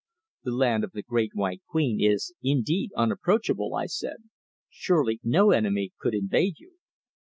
"The land of the Great White Queen is, indeed, unapproachable," I said. "Surely no enemy could invade you?"